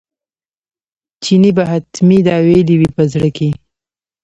چیني به حتمي دا ویلي وي په زړه کې.